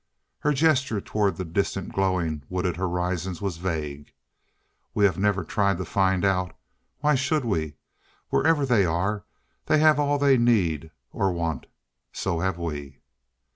Her gesture toward the distant, glowing, wooded horizons was vague. "We have never tried to find out. Why should we? Wherever they are, they have all that they need or want. So have we."